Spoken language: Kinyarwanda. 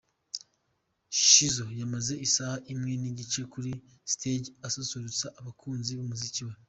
Shizzo yamaze isaha imwe n'igice kuri stage asusurutsa abakunzi b'umuziki we.